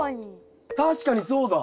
確かにそうだ。